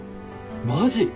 マジ！？